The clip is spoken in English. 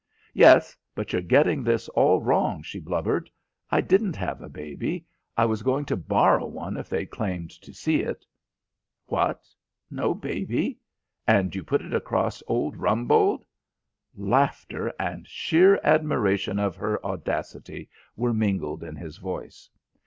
"Yes, but you're getting this all wrong," she blubbered. "I didn't have a baby. I was going to borrow one if they'd claimed to see it." "What? No baby? And you put it across old Rumbold?" Laughter and sheer admiration of her audacity were mingled in his voice.